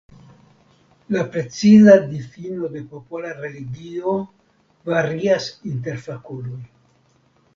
La preciza difino de popola religio varias inter fakuloj.